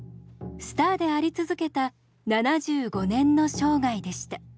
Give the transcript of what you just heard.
スターであり続けた７５年の生涯でした。